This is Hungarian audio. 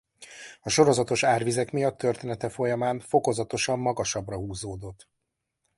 A sorozatos árvizek miatt története folyamán fokozatosan magasabbra húzódott.